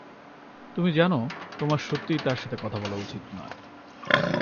তুমি জানো, তোমার সত্যিই তার সাথে কথা বলা উচিত নয়।